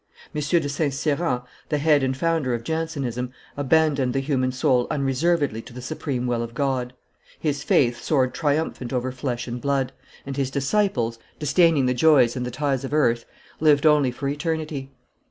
M. de St. Cyran, the head and founder of Jansenism, abandoned the human soul unreservedly to the supreme will of God; his faith soared triumphant over flesh and blood, and his disciples, disdaining the joys and the ties of earth, lived only for eternity.